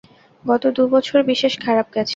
গত দু-বছর বিশেষ খারাপ গেছে।